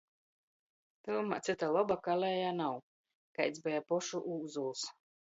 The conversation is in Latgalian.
Tyvumā cyta loba kalēja nav, kaids beja pošu Ūzuls.